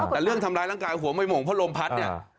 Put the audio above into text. แต่เรื่องทำร้ายร่างกายหัวไม่หม่งเพราะลมพัดเนี่ย